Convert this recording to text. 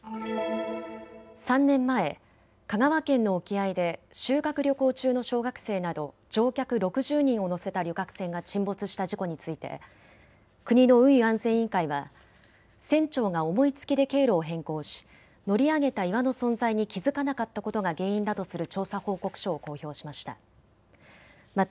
３年前、香川県の沖合で修学旅行中の小学生など乗客６０人を乗せた旅客船が沈没した事故について国の運輸安全委員会は船長が思いつきで経路を変更し乗り上げた岩の存在に気付かなかったことが原因だとする調査報告書を公表しました。